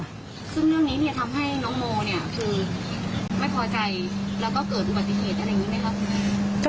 ซึ่งเรื่องนี้เนี่ยทำให้น้องโมเนี่ยคือไม่พอใจแล้วก็เกิดอุบัติเหตุอะไรอย่างนี้ไหมคะ